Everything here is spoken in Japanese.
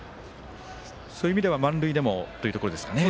そういう意味では満塁でもというところですかね。